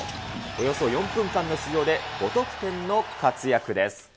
およそ４分間の出場で５得点の活躍です。